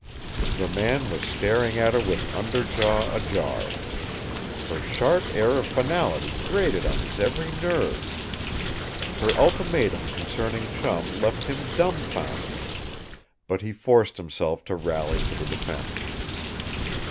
The man was staring at her with under jaw ajar. Her sharp air of finality grated on his every nerve. Her ultimatum concerning Chum left him dumfounded. But he forced himself to rally to the defense.